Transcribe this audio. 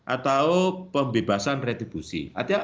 atau pembebasan retribusi